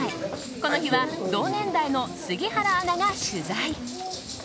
この日は同年代の杉原アナが取材。